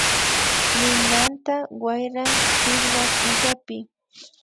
Ninanta wayran sitwa killapi